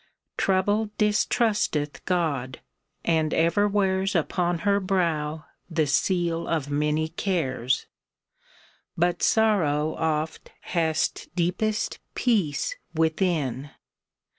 Trouble distrusteth God, and ever wears Upon her brow the seal of many cares ; But Sorrow oft hast deepest peace within.